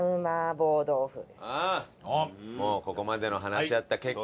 もうここまでの話し合った結果。